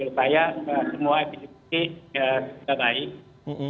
supaya semua epidemisi sudah baik